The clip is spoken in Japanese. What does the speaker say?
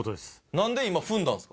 なんで今踏んだんですか？